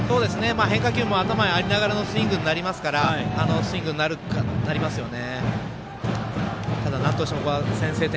変化球も頭にありながらですからスイングになりますよね。